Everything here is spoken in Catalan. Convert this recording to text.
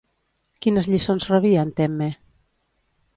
Quines lliçons rebia en Temme?